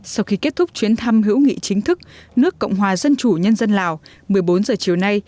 sau khi kết thúc chuyến thăm hữu nghị chính thức nước cộng hòa dân chủ nhân dân lào một mươi bốn giờ chiều nay